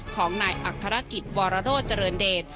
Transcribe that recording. ของนายอักษรกิจวอราโดจรินเดช